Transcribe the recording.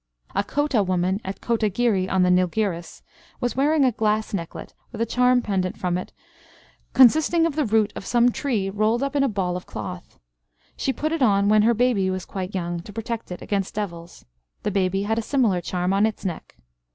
A Kota woman at Kotagiri on the Nilgiris, was wearing a glass necklet, with a charm pendant from it, consisting of the root of some tree rolled up in a ball of cloth. She put it on when her baby was quite young, to protect it against devils. The baby had a similar charm on its neck.